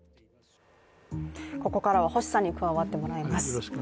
ここからは星さんに加わっていただきます。